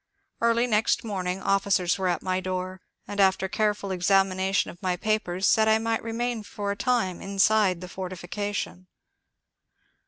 Early next morning officers were at my door, and after careful examination of my papers said I might remain for a time inside the fortification.